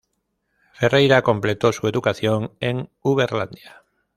Ferreira completó su educación en Uberlândia.